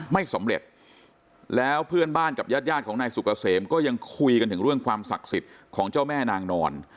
ไม่สำเร็จแล้วเพื่อนบ้านกับญาติยาดของนายสุกเกษมก็ยังคุยกันถึงเรื่องความศักดิ์สิทธิ์ของเจ้าแม่นางนอน